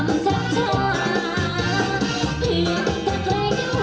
ไม่ใช่เป็นประกับนะค้า